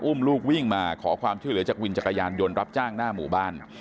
ลูกวิ่งมาขอความช่วยเหลือจากวินจักรยานยนต์รับจ้างหน้าหมู่บ้าน